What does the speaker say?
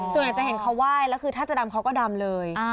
ส่วนใหญ่จะเห็นเขาไหว้แล้วคือถ้าจะดำเขาก็ดำเลย